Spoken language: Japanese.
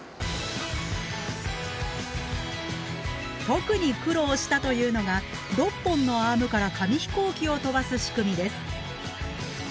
特に苦労したというのが６本のアームから紙飛行機を飛ばす仕組みです。